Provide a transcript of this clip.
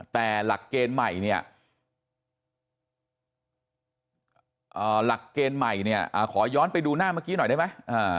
แต่หลักเกณฑ์ใหม่ขอย้อนไปดูหน้าเมื่อกี้หน่อยได้ไหม